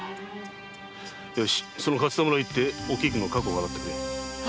よしその勝田村へ行っておきくの過去を洗ってくれ。